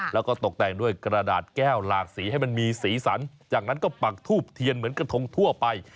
แล้วก็ตกแต่งด้วยกระดาษแก้วหลากสีให้มันมีสีสันจากนั้นก็ปักทูบเทียนเหมือนกระทงทั่วไป